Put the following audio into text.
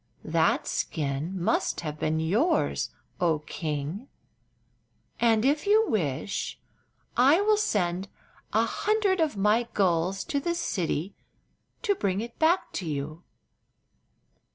That skin must have been yours, oh king, and if you wish I will sent an hundred of my gulls to the city to bring it back to you."